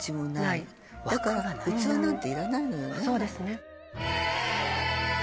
そうですね。